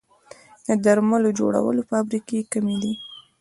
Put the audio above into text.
د درملو جوړولو فابریکې کمې دي